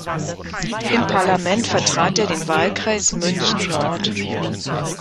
Im Parlament vertrat er den Wahlkreis München-Nord.